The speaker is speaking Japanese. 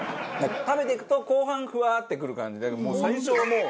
食べていくと後半フワッてくる感じで最初はもう。